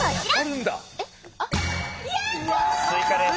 スイカです。